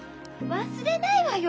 忘れないわよ。